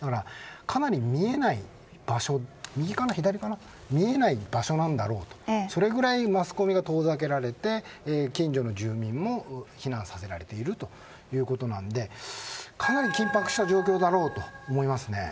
かなり見えない場所になんだろうとそれぐらいマスコミが遠ざけられて近所の住民も避難させられているということなのでかなり緊迫した状況だろうと思いますね。